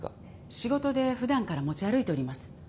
仕事で普段から持ち歩いております。